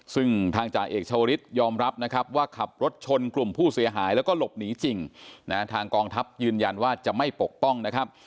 ซึ่งทางจ่าเอกชาวริสยอมรับนะครับว่าขับรถชนกลุ่มผู้เสียหายแล้วก็หลบหนีจริงนะทางกองทัพยืนยันว่าจะไม่ปกป้องนะครับ